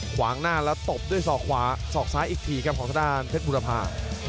ขวางหน้าและตบด้วยศอกซ้ายอีกทีของสดารเพชรบุรพา